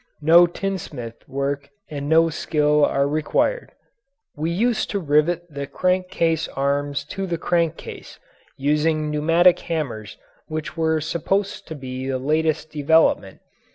No tinsmith work and so no skill are required. We used to rivet the crank case arms to the crank case, using pneumatic hammers which were supposed to be the latest development.